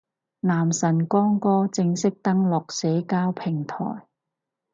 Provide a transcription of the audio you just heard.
男神光哥正式登陸社交平台